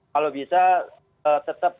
kalau bisa tetap